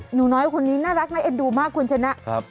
หนูน้อยคนนี้น่ารักน่าเอ็นดูมากคุณชนะ